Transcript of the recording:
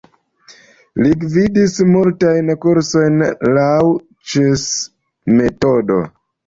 Li gvidis multajn kursojn laŭ Cseh-metodo.